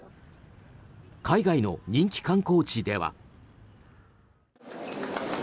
海外の人気観光地では。